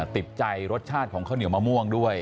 ติดใจรสชาติของข้าวเหนียวมะม่วงด้วย